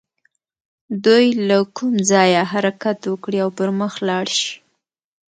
دوی له کوم ځايه حرکت وکړي او پر مخ لاړ شي.